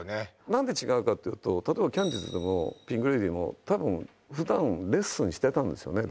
何で違うかというと例えばキャンディーズでもピンク・レディーも多分普段レッスンしてたんですよね